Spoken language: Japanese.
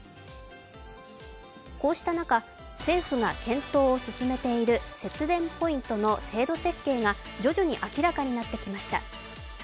こうした中、政府が検討を進めている節電ポイントの制度設計が徐々に明らかになってきました。